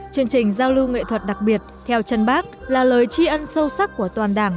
chương trình giao lưu nghệ thuật đặc biệt theo chân bác là lời tri ân sâu sắc của toàn đảng